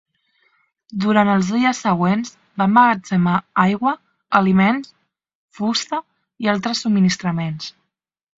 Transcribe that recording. Durant els dies següents va emmagatzemar aigua, aliments, fusta i altres subministraments.